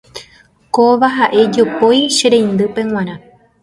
Kóva ha'e jopói che reindýpe g̃uarã.